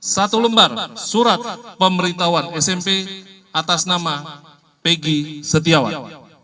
satu lembar surat pemberitahuan smp atas nama pegi setiawan